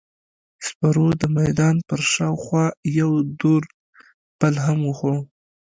سپرو د میدان پر شاوخوا یو دور بل هم وخوړ.